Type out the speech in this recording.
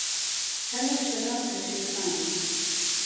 ههر وهک شهراب له شێخان